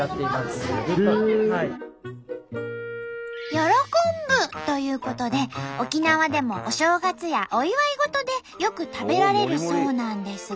「よろこんぶ」ということで沖縄でもお正月やお祝い事でよく食べられるそうなんですが。